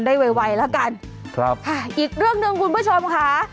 ได้ไวแล้วกันอีกเรื่องด้วยคุณผู้ชมค่ะ